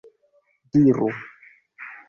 diru